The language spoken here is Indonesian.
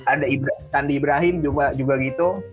ada ibrah skandi ibrahim juga gitu